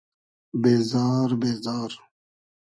بېزار بېزار